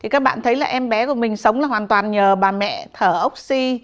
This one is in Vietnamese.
các bạn thấy là em bé của mình sống là hoàn toàn nhờ bà mẹ thở oxy